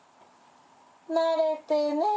慣れてねー。